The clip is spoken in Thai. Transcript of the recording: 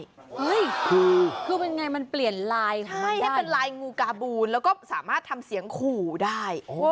เฮ้ยคือเป็นไงมันเปลี่ยนลายให้เป็นลายงูกาบูนแล้วก็สามารถทำเสียงขู่ได้